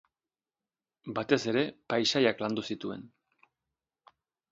Batez ere, paisaiak landu zituen.